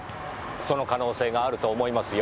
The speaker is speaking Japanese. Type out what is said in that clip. その可能性があると思いますよ。